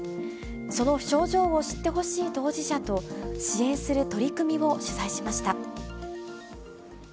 その症状を知ってほしい当事者と、支援する取り組みを取材しました。